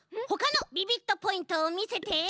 ほかのビビットポイントをみせて！